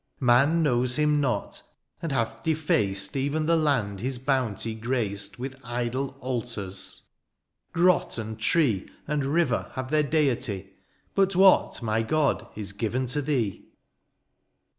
^^ Man knows him not, and hath defaced ^^ Even the land his bounty graced^ '^ With idol altars ! grot, and tree. And river, have their deity ; But what, my God, is given to thee